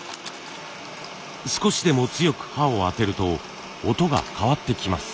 少しでも強く刃を当てると音が変わってきます。